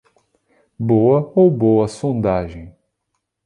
Boa ou boa sondagem.